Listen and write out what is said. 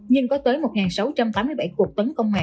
nhưng có tới một sáu trăm tám mươi bảy cuộc tấn công mạng